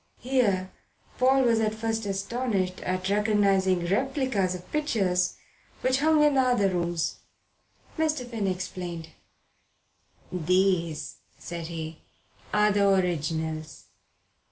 Here Paul was at first astonished at recognizing replicas of pictures which hung in other rooms. Mr. Finn explained. "These," said he, "are the originals."